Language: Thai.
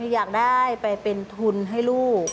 อยากได้ไปเป็นทุนให้ลูก